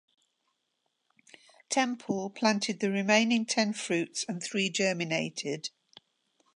Temple planted the remaining ten fruits and three germinated.